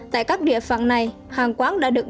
tại các địa phận này hàng quán đã được